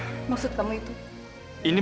jadi kamu lebih memilih perempuan itu dibanding mama